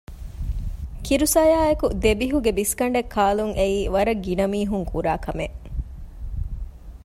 ކިރު ސަޔާއެކު ދެބިހުގެ ބިސްގަނޑެއް ކާލުން އެއީ ވަރަށް ގިނަމީހުން ކުރާކަމެއް